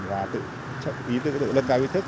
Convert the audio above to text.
và tự lưng ra ý thức